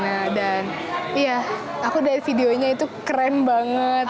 sempet lihat media di hpnya pemina dan aku lihat videonya itu keren banget